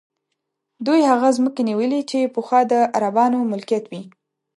دوی هغه ځمکې نیولي چې پخوا د عربانو ملکیت وې.